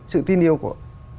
sự tin yêu của